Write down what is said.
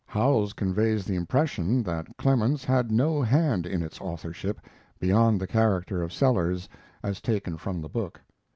Howells conveys the impression that Clemens had no hand in its authorship beyond the character of Sellers as taken from the book.